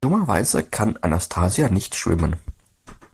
Dummerweise kann Anastasia nicht schwimmen.